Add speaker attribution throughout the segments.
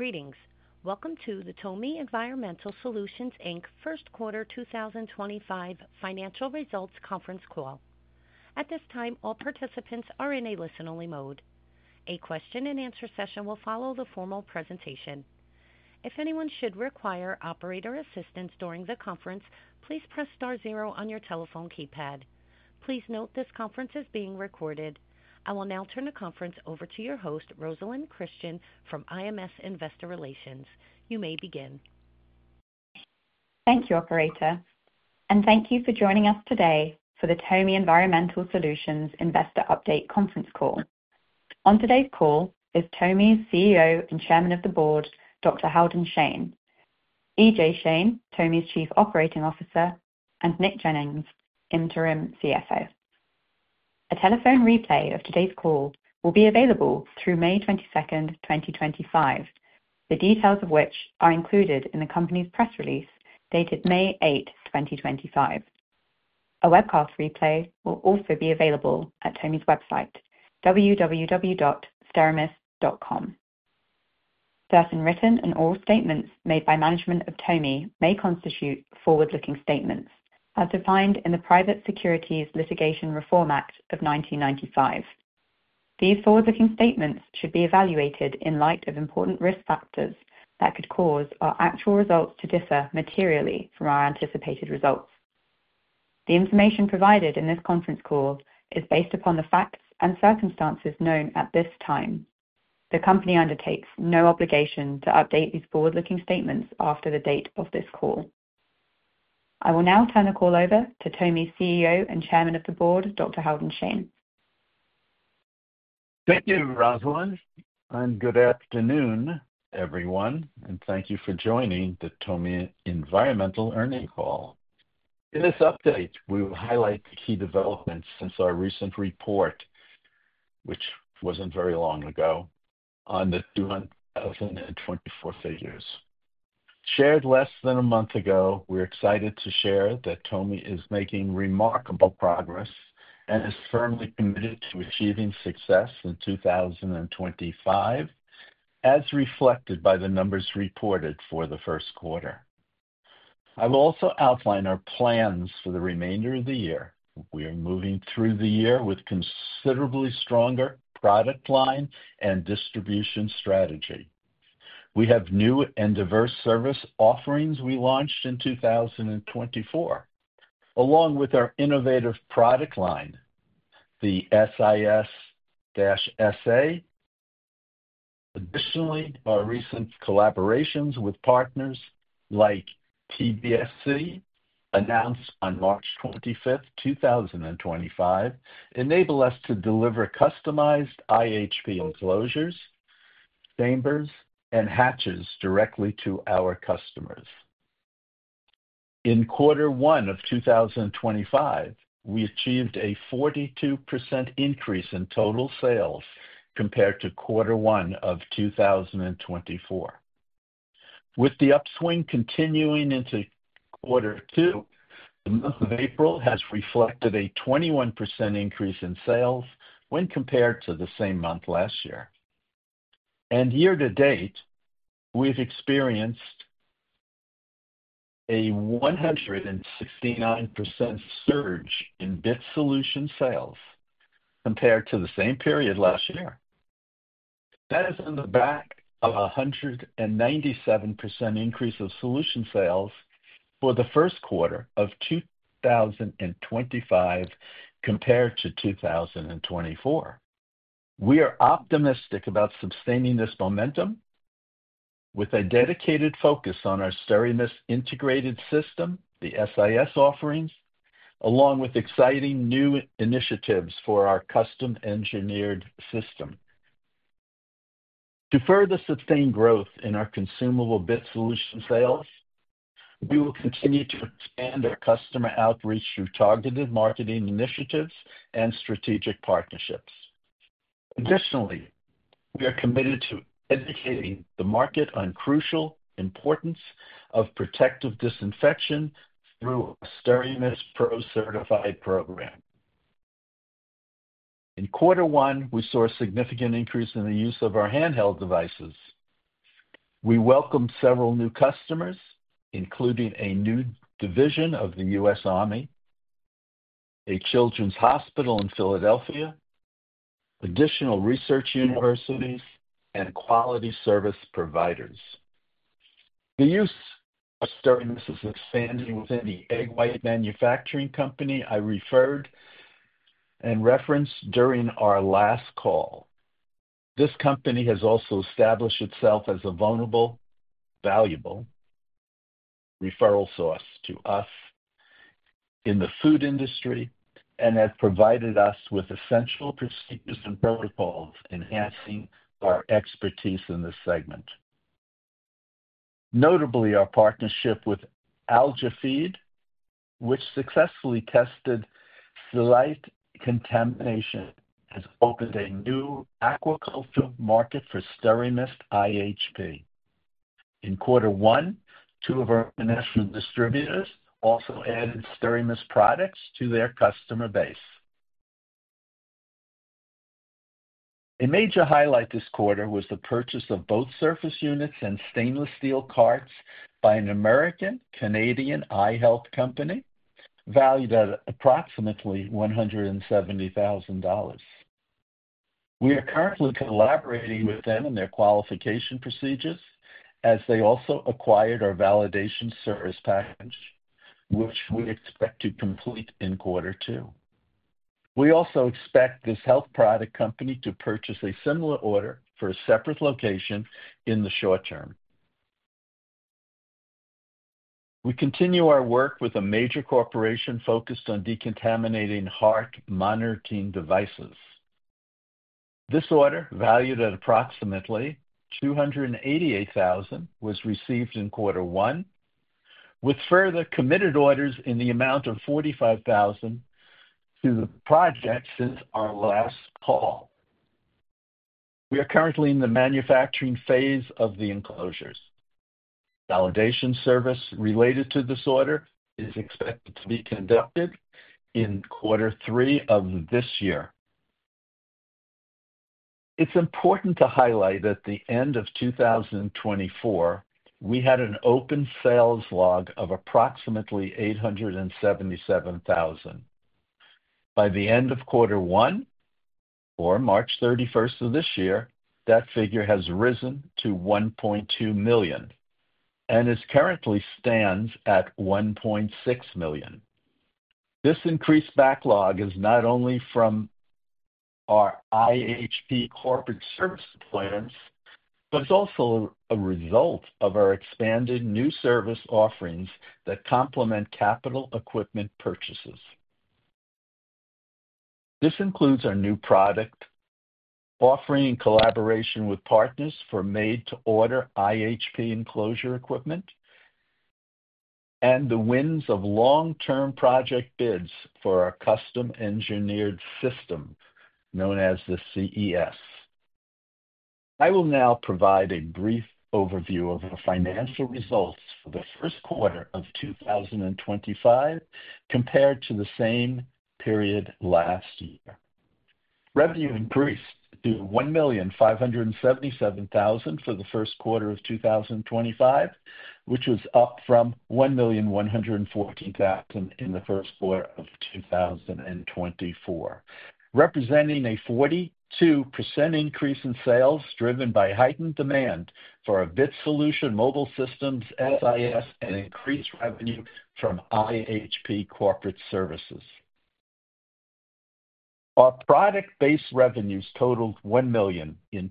Speaker 1: Greetings. Welcome to the TOMI Environmental Solutions Inc First Quarter 2025 Financial Results Conference Call. At this time, all participants are in a listen-only mode. A question-and-answer session will follow the formal presentation. If anyone should require operator assistance during the conference, please press star zero on your telephone keypad. Please note this conference is being recorded. I will now turn the conference over to your host, Rosalyn Christian, from IMS Investor Relations. You may begin.
Speaker 2: Thank you, operator. Thank you for joining us today for the TOMI Environmental Solutions Investor Update Conference Call. On today's call is TOMI's CEO and Chairman of the Board, Dr. Halden Shane, E.J. Shane, TOMI's Chief Operating Officer, and Nick Jennings, Interim CFO. A telephone replay of today's call will be available through May 22, 2025, the details of which are included in the company's press release dated May 8, 2025. A webcast replay will also be available at TOMI's website, www.steramist.com. Certain written and oral statements made by management of TOMI may constitute forward-looking statements, as defined in the Private Securities Litigation Reform Act of 1995. These forward-looking statements should be evaluated in light of important risk factors that could cause our actual results to differ materially from our anticipated results. The information provided in this conference call is based upon the facts and circumstances known at this time. The company undertakes no obligation to update these forward-looking statements after the date of this call. I will now turn the call over to TOMI's CEO and Chairman of the Board, Dr. Halden Shane.
Speaker 3: Thank you, Rosalyn. Good afternoon, everyone. Thank you for joining the TOMI Environmental earnings call. In this update, we will highlight the key developments since our recent report, which was not very long ago, on the 2024 figures. Shared less than a month ago, we are excited to share that TOMI is making remarkable progress and is firmly committed to achieving success in 2025, as reflected by the numbers reported for the first quarter. I will also outline our plans for the remainder of the year. We are moving through the year with a considerably stronger product line and distribution strategy. We have new and diverse service offerings we launched in 2024, along with our innovative product line, the SIS-SA. Additionally, our recent collaborations with partners like PBSC, announced on March 25, 2025, enable us to deliver customized iHP enclosures, chambers, and hatches directly to our customers. In quarter one of 2025, we achieved a 42% increase in total sales compared to quarter one of 2024. With the upswing continuing into quarter two, the month of April has reflected a 21% increase in sales when compared to the same month last year. Year-to-date, we've experienced a 169% surge in BIT Solution sales compared to the same period last year. That is in the back of a 197% increase of solution sales for the first quarter of 2025 compared to 2024. We are optimistic about sustaining this momentum with a dedicated focus on our SteraMist Integrated System, the SIS offerings, along with exciting new initiatives for our Custom Engineered System. To further sustain growth in our consumable BIT Solution sales, we will continue to expand our customer outreach through targeted marketing initiatives and strategic partnerships. Additionally, we are committed to educating the market on the crucial importance of protective disinfection through a SteraMist Pro Certified program. In quarter one, we saw a significant increase in the use of our handheld devices. We welcomed several new customers, including a new division of the U.S. Army, a children's hospital in Philadelphia, additional research universities, and quality service providers. The use of SteraMist is expanding within the egg white manufacturing company I referred and referenced during our last call. This company has also established itself as a vulnerable, valuable referral source to us in the food industry and has provided us with essential procedures and protocols, enhancing our expertise in this segment. Notably, our partnership with AlgaFeed, which successfully tested slight contamination, has opened a new aquaculture market for SteraMist iHP. In quarter one, two of our international distributors also added SteraMist products to their customer base. A major highlight this quarter was the purchase of both surface units and stainless steel carts by an American-Canadian eye health company valued at approximately $170,000. We are currently collaborating with them in their qualification procedures, as they also acquired our validation service package, which we expect to complete in quarter two. We also expect this health product company to purchase a similar order for a separate location in the short term. We continue our work with a major corporation focused on decontaminating heart monitoring devices. This order, valued at approximately $288,000, was received in quarter one, with further committed orders in the amount of $45,000 to the project since our last call. We are currently in the manufacturing phase of the enclosures. Validation service related to this order is expected to be conducted in quarter three of this year. It's important to highlight that at the end of 2024, we had an open sales log of approximately $877,000. By the end of quarter one, or March 31 of this year, that figure has risen to $1.2 million and currently stands at $1.6 million. This increased backlog is not only from our iHP corporate service deployments, but it's also a result of our expanded new service offerings that complement capital equipment purchases. This includes our new product offering in collaboration with partners for made-to-order iHP enclosure equipment and the wins of long-term project bids for our custom-engineered system known as the CES. I will now provide a brief overview of our financial results for the first quarter of 2025 compared to the same period last year. Revenue increased to $1,577,000 for the first quarter of 2025, which was up from $1,114,000 in the first quarter of 2024, representing a 42% increase in sales driven by heightened demand for our BIT Solution, mobile systems, SIS, and increased revenue from iHP Corporate Services. Our product-based revenues totaled $1 million in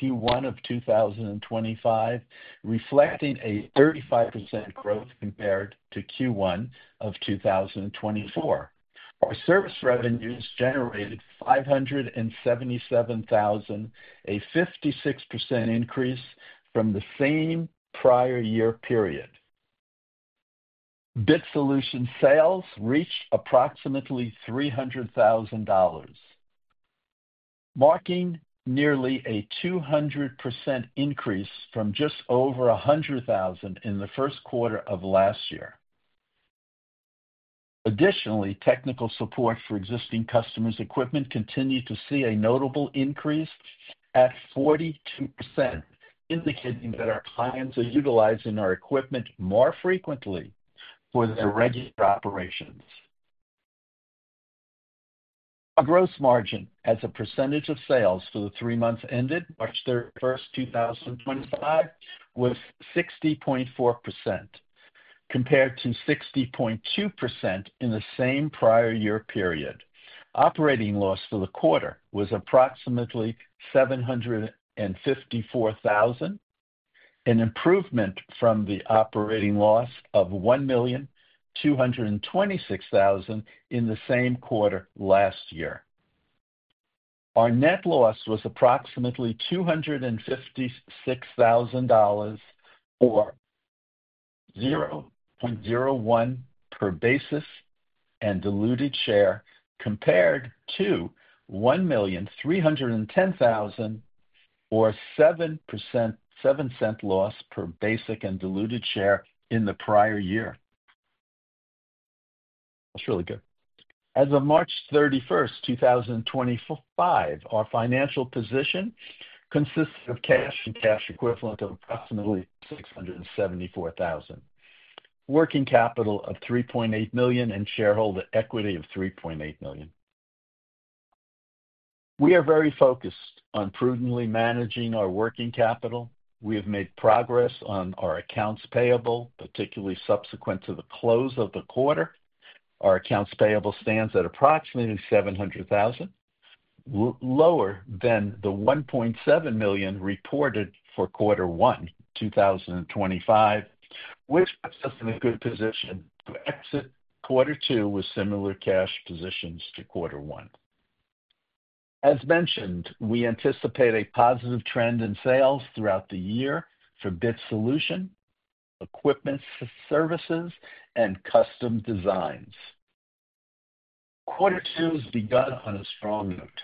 Speaker 3: Q1 of 2025, reflecting a 35% growth compared to Q1 of 2024. Our service revenues generated $577,000, a 56% increase from the same prior year period. BIT Solution sales reached approximately $300,000, marking nearly a 200% increase from just over $100,000 in the first quarter of last year. Additionally, technical support for existing customers' equipment continued to see a notable increase at 42%, indicating that our clients are utilizing our equipment more frequently for their regular operations. Our gross margin as a percentage of sales for the three months ended March 31, 2025, was 60.4%, compared to 60.2% in the same prior year period. Operating loss for the quarter was approximately $754,000, an improvement from the operating loss of $1,226,000 in the same quarter last year. Our net loss was approximately $256,000, or $0.01 per basic and diluted share, compared to $1,310,000, or $0.07 loss per basic and diluted share in the prior year. That's really good. As of March 31, 2025, our financial position consists of cash and cash equivalents of approximately $674,000, working capital of $3.8 million, and shareholder equity of $3.8 million. We are very focused on prudently managing our working capital. We have made progress on our accounts payable, particularly subsequent to the close of the quarter. Our accounts payable stands at approximately $700,000, lower than the $1.7 million reported for quarter one 2025, which puts us in a good position to exit quarter two with similar cash positions to quarter one. As mentioned, we anticipate a positive trend in sales throughout the year for BIT Solution, equipment services, and custom designs. quarter two has begun on a strong note,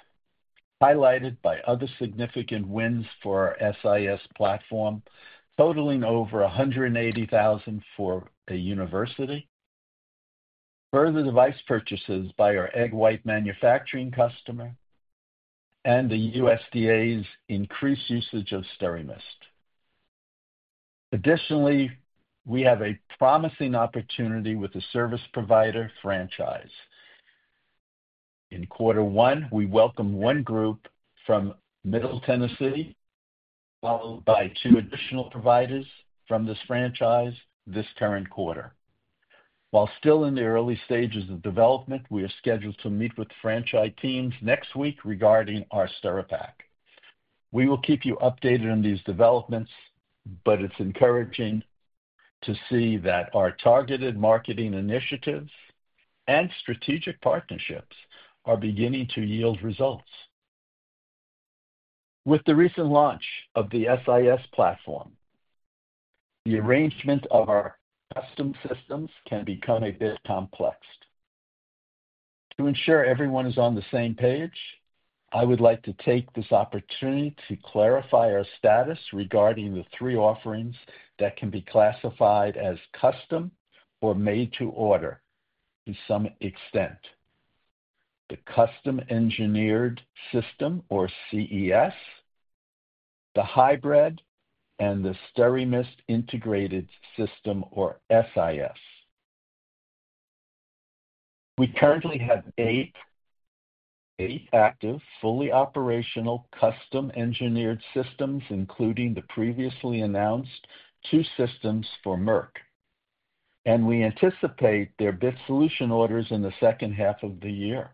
Speaker 3: highlighted by other significant wins for our SIS platform, totaling over $180,000 for a university, further device purchases by our egg white manufacturing customer, and the USDA's increased usage of SteraMist. Additionally, we have a promising opportunity with a service provider franchise. In quarter one, we welcomed one group from Middle Tennessee, followed by two additional providers from this franchise this current quarter. While still in the early stages of development, we are scheduled to meet with franchise teams next week regarding our SteraPak. We will keep you updated on these developments, but it's encouraging to see that our targeted marketing initiatives and strategic partnerships are beginning to yield results. With the recent launch of the SIS platform, the arrangement of our custom systems can become a bit complex. To ensure everyone is on the same page, I would like to take this opportunity to clarify our status regarding the three offerings that can be classified as custom or made-to-order to some extent: the Custom-Engineered System, or CES, the Hybrid, and the SteraMist Integrated System, or SIS. We currently have eight active fully operational custom-engineered systems, including the previously announced two systems for Merck, and we anticipate their BIT Solution orders in the second half of the year.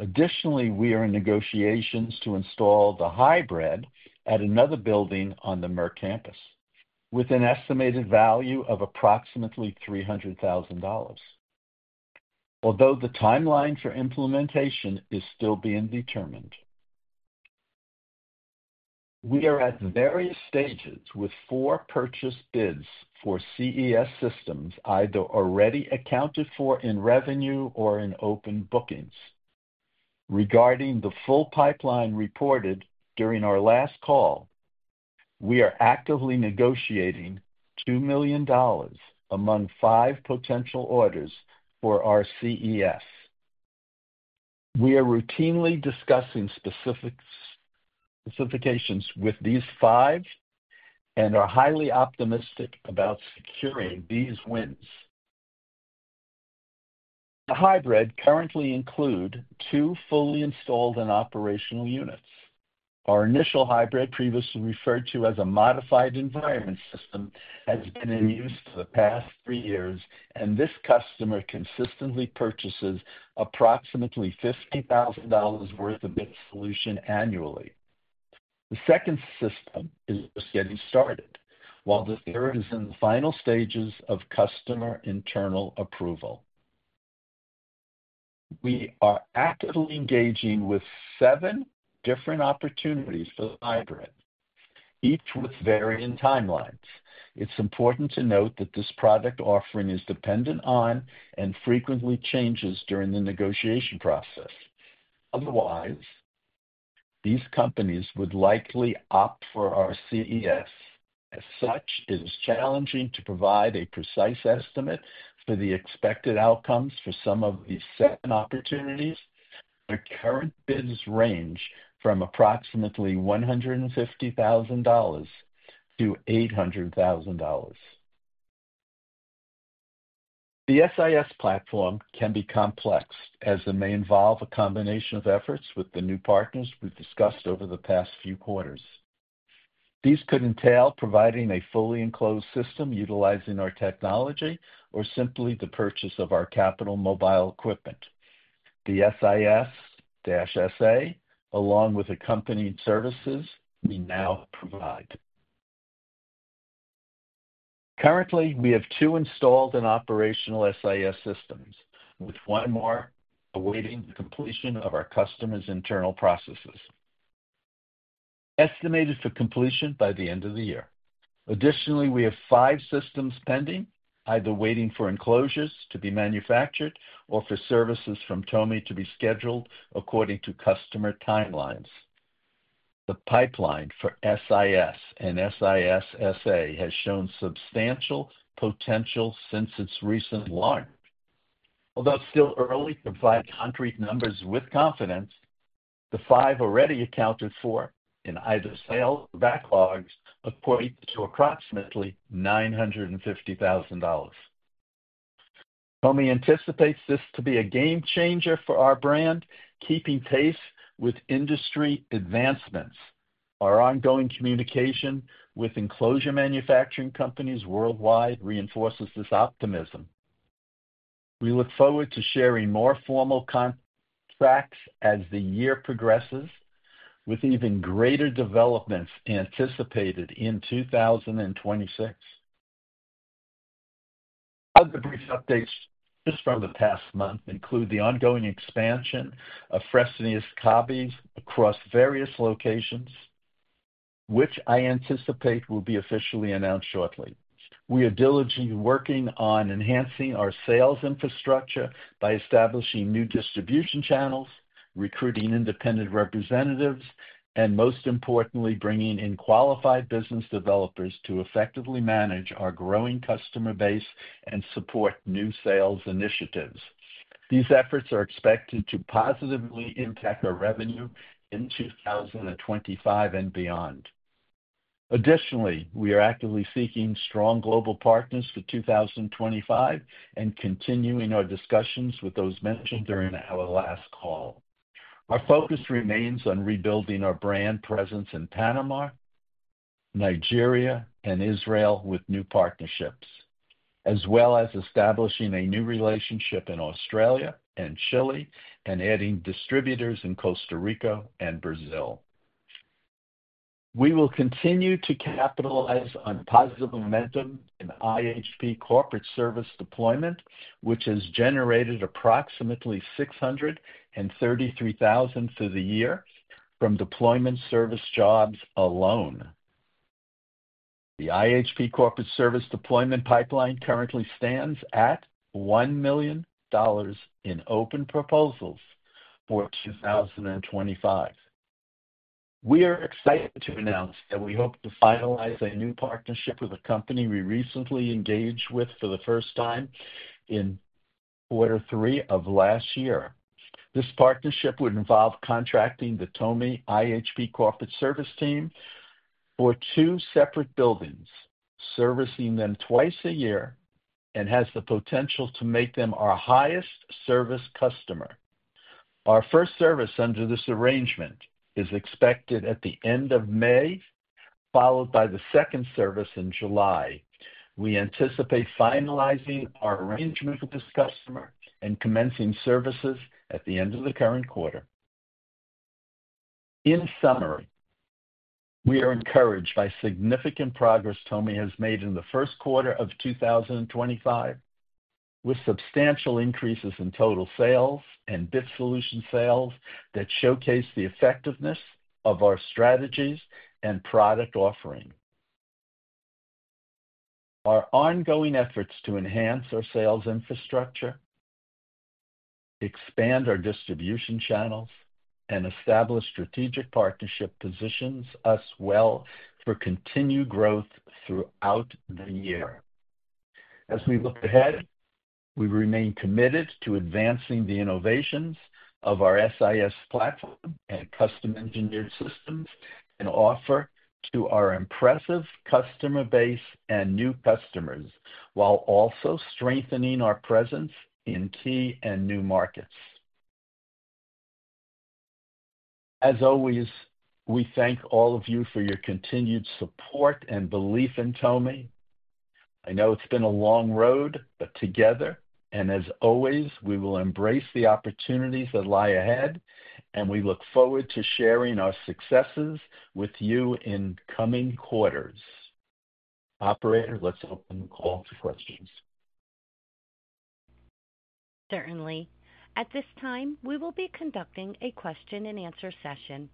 Speaker 3: Additionally, we are in negotiations to install the Hybrid at another building on the Merck campus, with an estimated value of approximately $300,000, although the timeline for implementation is still being determined. We are at various stages with four purchase bids for CES systems either already accounted for in revenue or in open bookings. Regarding the full pipeline reported during our last call, we are actively negotiating $2 million among five potential orders for our CES. We are routinely discussing specifications with these five and are highly optimistic about securing these wins. The Hybrid currently includes two fully installed and operational units. Our initial Hybrid, previously referred to as a modified environment system, has been in use for the past three years, and this customer consistently purchases approximately $50,000 worth of BIT Solution annually. The second system is just getting started, while the third is in the final stages of customer internal approval. We are actively engaging with seven different opportunities for the Hybrid, each with varying timelines. It's important to note that this product offering is dependent on and frequently changes during the negotiation process. Otherwise, these companies would likely opt for our CES, as such it is challenging to provide a precise estimate for the expected outcomes for some of these seven opportunities. The current bids range from approximately $150,000-$800,000. The SIS platform can be complex, as it may involve a combination of efforts with the new partners we've discussed over the past few quarters. These could entail providing a fully enclosed system utilizing our technology or simply the purchase of our capital mobile equipment, the SIS-SA, along with accompanying services we now provide. Currently, we have two installed and operational SIS systems, with one more awaiting the completion of our customer's internal processes, estimated for completion by the end of the year. Additionally, we have five systems pending, either waiting for enclosures to be manufactured or for services from TOMI to be scheduled according to customer timelines. The pipeline for SIS and SIS-SA has shown substantial potential since its recent launch. Although still early to provide concrete numbers with confidence, the five already accounted for in either sales or backlogs equate to approximately $950,000. TOMI anticipates this to be a game changer for our brand, keeping pace with industry advancements. Our ongoing communication with enclosure manufacturing companies worldwide reinforces this optimism. We look forward to sharing more formal contracts as the year progresses, with even greater developments anticipated in 2026. Other brief updates just from the past month include the ongoing expansion of Fresenius Kabi across various locations, which I anticipate will be officially announced shortly. We are diligently working on enhancing our sales infrastructure by establishing new distribution channels, recruiting independent representatives, and most importantly, bringing in qualified business developers to effectively manage our growing customer base and support new sales initiatives. These efforts are expected to positively impact our revenue in 2025 and beyond. Additionally, we are actively seeking strong global partners for 2025 and continuing our discussions with those mentioned during our last call. Our focus remains on rebuilding our brand presence in Panama, Nigeria, and Israel with new partnerships, as well as establishing a new relationship in Australia and Chile, and adding distributors in Costa Rica and Brazil. We will continue to capitalize on positive momentum in iHP Corporate Service deployment, which has generated approximately $633,000 for the year from deployment service jobs alone. The iHP Corporate Service deployment pipeline currently stands at $1 million in open proposals for 2025. We are excited to announce that we hope to finalize a new partnership with a company we recently engaged with for the first time in quarter three of last year. This partnership would involve contracting the TOMI iHP Corporate Service team for two separate buildings, servicing them twice a year, and has the potential to make them our highest service customer. Our first service under this arrangement is expected at the end of May, followed by the second service in July. We anticipate finalizing our arrangement with this customer and commencing services at the end of the current quarter. In summary, we are encouraged by significant progress TOMI has made in the first quarter of 2025, with substantial increases in total sales and BIT Solution sales that showcase the effectiveness of our strategies and product offering. Our ongoing efforts to enhance our sales infrastructure, expand our distribution channels, and establish strategic partnership positions us well for continued growth throughout the year. As we look ahead, we remain committed to advancing the innovations of our SIS platform and Custom Engineered Systems and offer to our impressive customer base and new customers, while also strengthening our presence in key and new markets. As always, we thank all of you for your continued support and belief in TOMI. I know it's been a long road, but together, and as always, we will embrace the opportunities that lie ahead, and we look forward to sharing our successes with you in coming quarters. Operator, let's open the call for questions.
Speaker 1: Certainly. At this time, we will be conducting a question-and-answer session.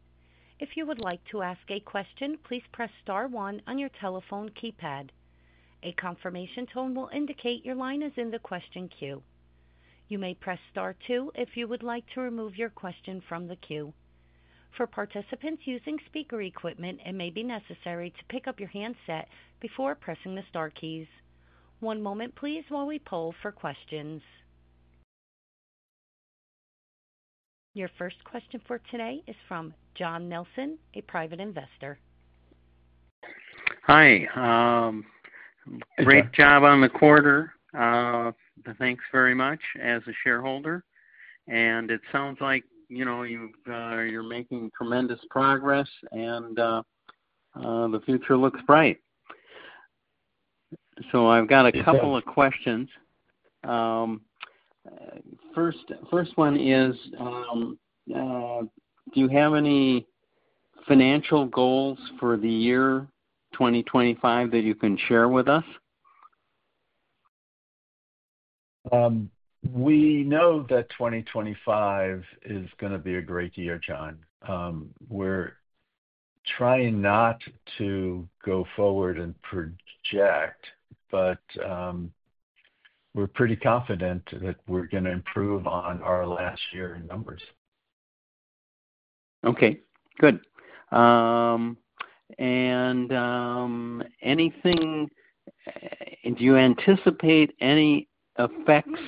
Speaker 1: If you would like to ask a question, please press star one on your telephone keypad. A confirmation tone will indicate your line is in the question queue. You may press star two if you would like to remove your question from the queue. For participants using speaker equipment, it may be necessary to pick up your handset before pressing the star keys. One moment, please, while we poll for questions. Your first question for today is from John Nelson, a private investor. Hi. Great job on the quarter. Thanks very much as a shareholder. It sounds like you're making tremendous progress, and the future looks bright. I've got a couple of questions. First one is, do you have any financial goals for the year 2025 that you can share with us?
Speaker 3: We know that 2025 is going to be a great year, John. We're trying not to go forward and project, but we're pretty confident that we're going to improve on our last year in numbers. Okay. Good. Do you anticipate any effects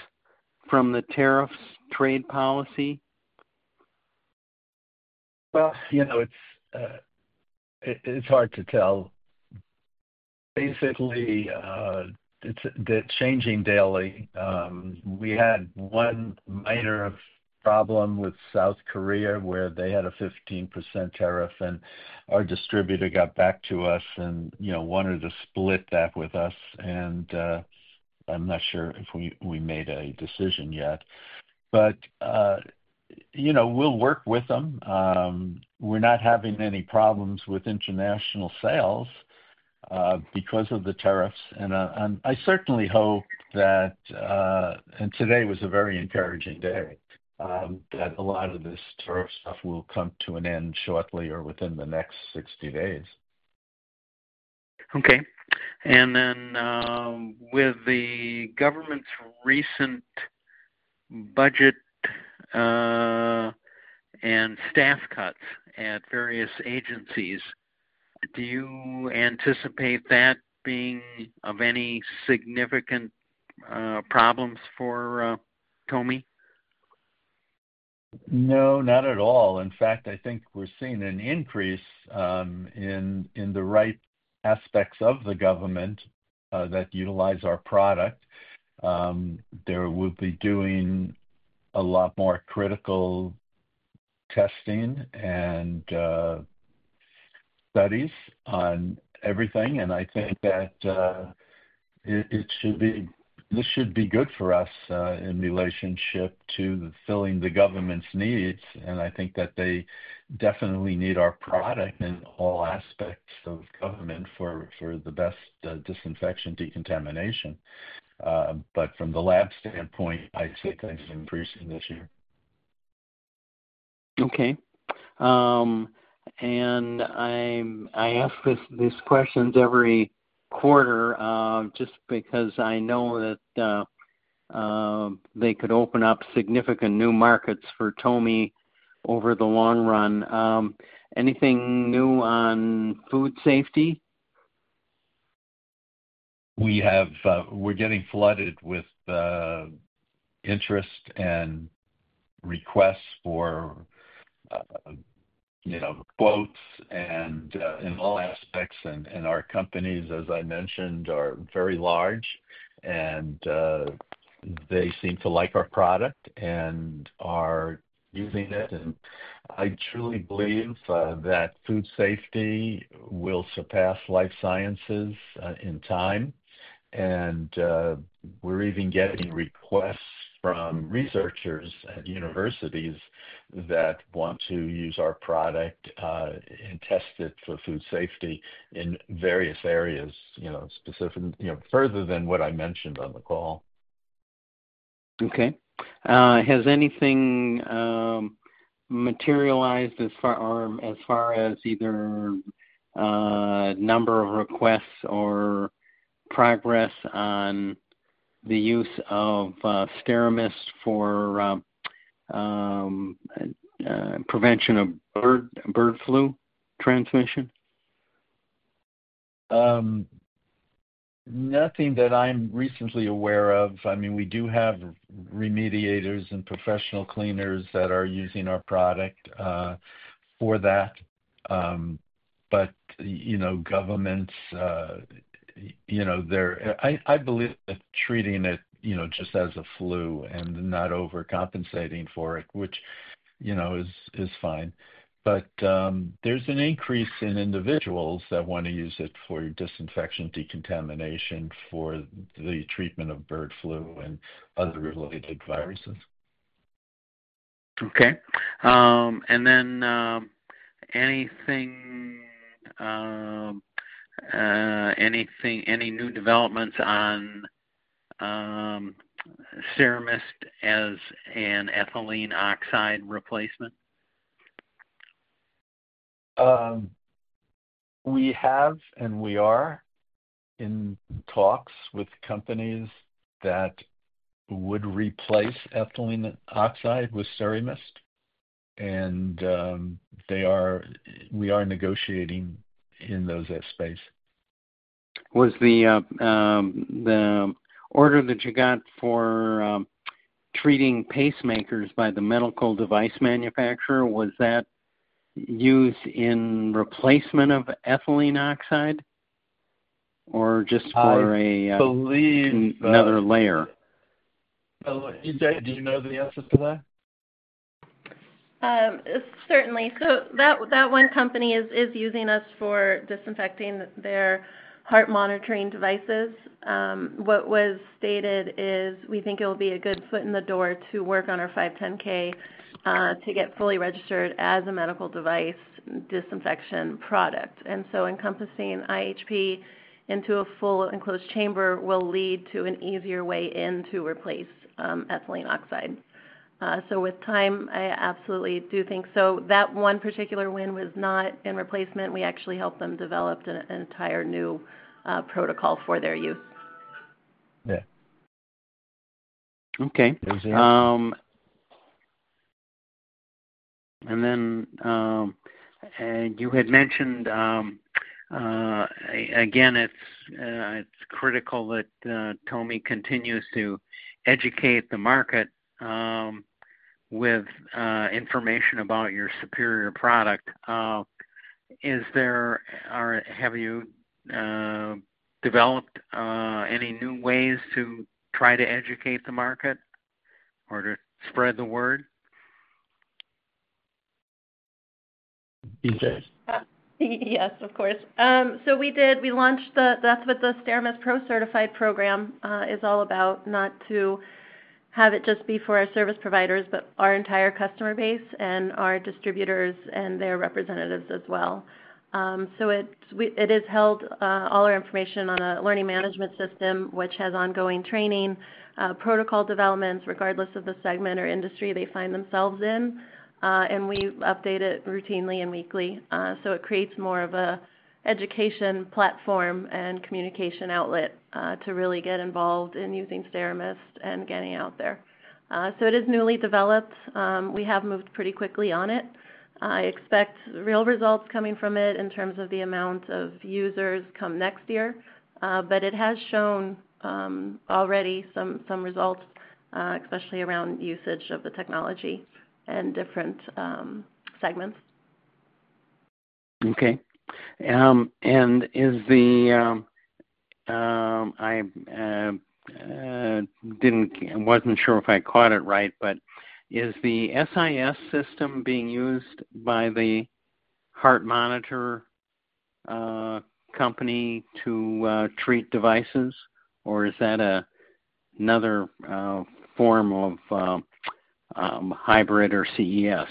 Speaker 3: from the tariffs trade policy? It is hard to tell. Basically, they're changing daily. We had one minor problem with South Korea where they had a 15% tariff, and our distributor got back to us and wanted to split that with us. I'm not sure if we made a decision yet. We will work with them. We're not having any problems with international sales because of the tariffs. I certainly hope that—today was a very encouraging day—a lot of this tariff stuff will come to an end shortly or within the next 60 days. Okay. With the government's recent budget and staff cuts at various agencies, do you anticipate that being of any significant problems for TOMI? No, not at all. In fact, I think we're seeing an increase in the right aspects of the government that utilize our product. They will be doing a lot more critical testing and studies on everything. I think that this should be good for us in relationship to filling the government's needs. I think that they definitely need our product in all aspects of government for the best disinfection and decontamination. From the lab standpoint, I'd say things are improving this year. Okay. I ask these questions every quarter just because I know that they could open up significant new markets for TOMI over the long run. Anything new on food safety? We're getting flooded with interest and requests for quotes in all aspects. Our companies, as I mentioned, are very large, and they seem to like our product and are using it. I truly believe that food safety will surpass life sciences in time. We're even getting requests from researchers at universities that want to use our product and test it for food safety in various areas, further than what I mentioned on the call. Okay. Has anything materialized as far as either number of requests or progress on the use of SteraMist for prevention of bird flu transmission? Nothing that I'm recently aware of. I mean, we do have remediators and professional cleaners that are using our product for that. Governments, I believe, are treating it just as a flu and not overcompensating for it, which is fine. There is an increase in individuals that want to use it for disinfection, decontamination, for the treatment of bird flu and other related viruses. Okay. Any new developments on SteraMist as an ethylene oxide replacement? We have and we are in talks with companies that would replace ethylene oxide with SteraMist. We are negotiating in those spaces. Was the order that you got for treating pacemakers by the medical device manufacturer, was that used in replacement of ethylene oxide or just for another layer? Do you know the answer to that?
Speaker 4: Certainly. That one company is using us for disinfecting their heart monitoring devices. What was stated is we think it will be a good foot in the door to work on our 510(k) to get fully registered as a medical device disinfection product. Encompassing iHP into a full enclosed chamber will lead to an easier way in to replace ethylene oxide. With time, I absolutely do think so. That one particular win was not in replacement. We actually helped them develop an entire new protocol for their use. Yeah. Okay. You had mentioned, again, it's critical that TOMI continues to educate the market with information about your superior product. Have you developed any new ways to try to educate the market or to spread the word? Yes, of course. We launched the—that's what the SteraMist Pro Certified Program is all about, not to have it just be for our service providers, but our entire customer base and our distributors and their representatives as well. It is held, all our information, on a learning management system, which has ongoing training, protocol developments regardless of the segment or industry they find themselves in. We update it routinely and weekly. It creates more of an education platform and communication outlet to really get involved in using SteraMist and getting out there. It is newly developed. We have moved pretty quickly on it. I expect real results coming from it in terms of the amount of users come next year. It has shown already some results, especially around usage of the technology and different segments. Okay. I wasn't sure if I caught it right, but is the SIS system being used by the heart monitor company to treat devices, or is that another form of Hybrid or CES?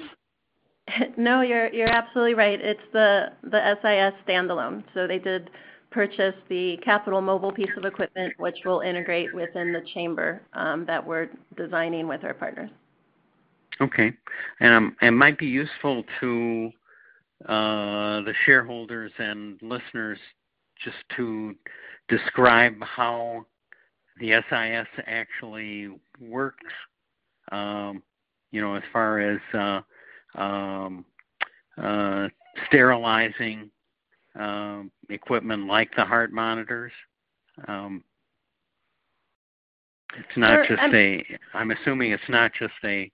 Speaker 4: No, you're absolutely right. It's the SIS standalone. They did purchase the Capital Mobile piece of equipment, which will integrate within the chamber that we're designing with our partners. Okay. It might be useful to the shareholders and listeners just to describe how the SIS actually works as far as sterilizing equipment like the heart monitors. It's not just a—I'm assuming it's not just a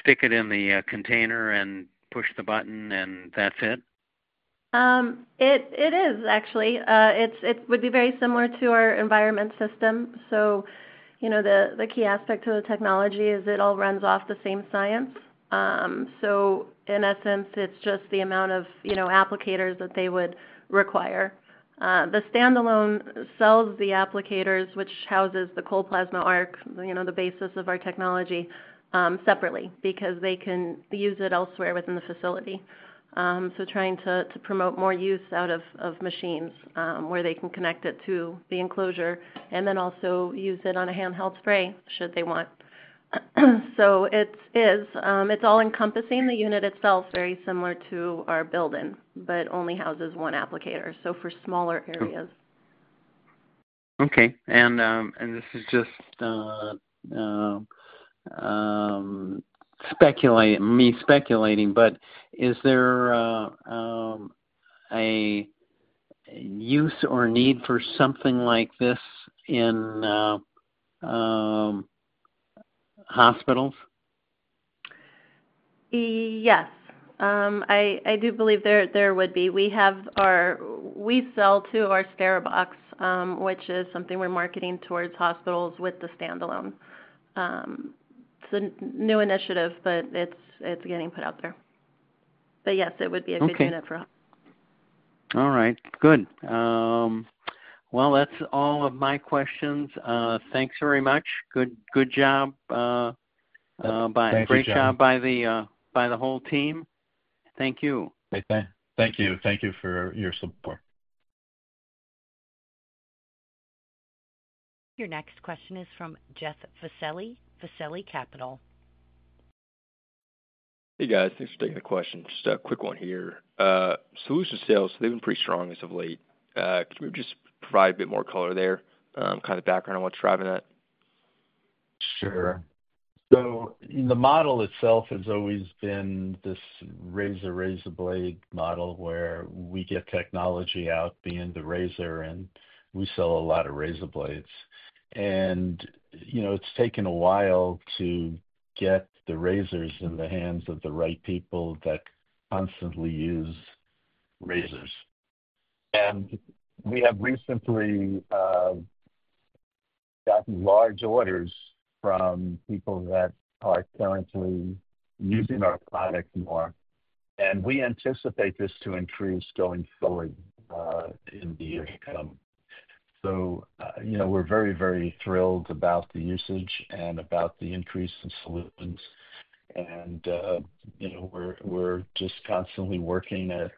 Speaker 4: stick it in the container and push the button and that's it? It is, actually. It would be very similar to our environment system. The key aspect of the technology is it all runs off the same science. In essence, it's just the amount of applicators that they would require. The standalone sells the applicators, which houses the cold plasma arc, the basis of our technology, separately because they can use it elsewhere within the facility. Trying to promote more use out of machines where they can connect it to the enclosure and then also use it on a handheld spray should they want. It's all encompassing the unit itself, very similar to our building, but only houses one applicator, so for smaller areas. Okay. This is just me speculating, but is there a use or need for something like this in hospitals? Yes. I do believe there would be. We sell to our SteraBox, which is something we're marketing towards hospitals with the standalone. It's a new initiative, but it's getting put out there. Yes, it would be a good unit for hospitals. All right. Good. That is all of my questions. Thanks very much. Good job. Bye. Great job by the whole team. Thank you.
Speaker 3: Thank you. Thank you for your support.
Speaker 1: Your next question is from Jeff [Veseli, Veseli] Capital. Hey, guys. Thanks for taking the question. Just a quick one here. Solution sales, they have been pretty strong as of late. Could you just provide a bit more color there, kind of background on what is driving that?
Speaker 3: Sure. The model itself has always been this razor-razor blade model where we get technology out being the razor, and we sell a lot of razor blades. It has taken a while to get the razors in the hands of the right people that constantly use razors. We have recently gotten large orders from people that are currently using our product more. We anticipate this to increase going forward in the year to come. We are very, very thrilled about the usage and about the increase in solutions. We are just constantly working at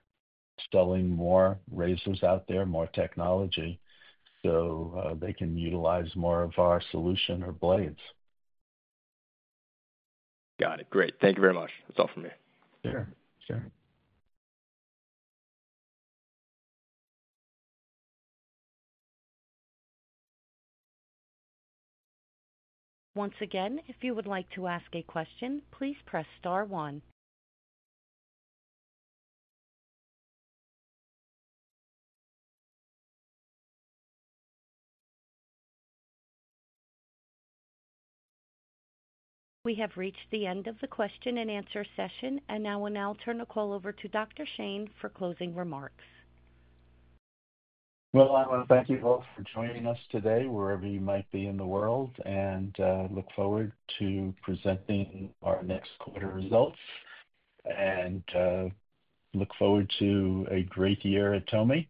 Speaker 3: selling more razors out there, more technology, so they can utilize more of our solution or blades. Got it. Great. Thank you very much. That is all from me. Sure. Sure.
Speaker 1: Once again, if you would like to ask a question, please press star one. We have reached the end of the question and answer session, and now I will turn the call over to Dr. Shane for closing remarks. I want to thank you both for joining us today, wherever you might be in the world, and look forward to presenting our next quarter results.
Speaker 3: I look forward to a great year at TOMI,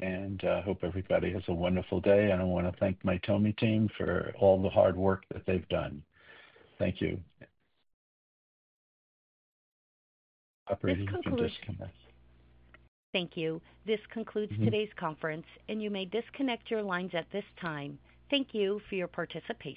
Speaker 3: and I hope everybody has a wonderful day. I want to thank my TOMI team for all the hard work that they've done. Thank you. This concludes today's conference. Thank you. This concludes today's conference, and you may disconnect your lines at this time. Thank you for your participation.